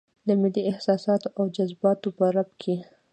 د ملي احساساتو او جذباتو په رپ کې.